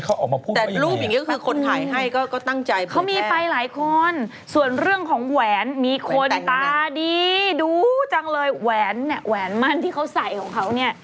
คือเขาเข้าใจนางเหมือนแหล่งว่านางจะเข้าออกมาพูดว่าอย่างไร